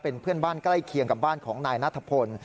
เป็นเพื่อนบ้านใกล้เคียงกับบ้านของนายนัทพล